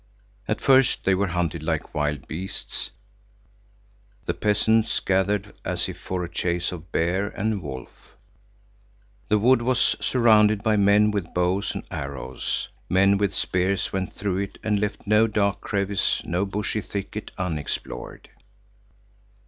At first they were hunted like wild beasts. The peasants gathered as if for a chase of bear or wolf. The wood was surrounded by men with bows and arrows. Men with spears went through it and left no dark crevice, no bushy thicket unexplored.